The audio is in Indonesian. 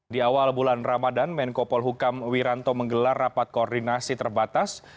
di awal bulan ramadan menko polhukam wiranto menggelar rapat koordinasi terbatas